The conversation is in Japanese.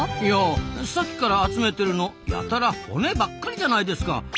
いやさっきから集めてるのやたら骨ばっかりじゃないですか。